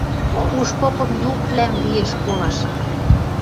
Уж попым юквлӓм лиэш колаш.